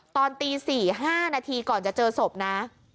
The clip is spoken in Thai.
ตอนตี๔๕นาทีก่อนจะเจอศพนะ